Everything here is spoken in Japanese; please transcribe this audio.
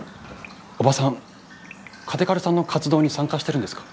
おばさん嘉手刈さんの活動に参加してるんですか？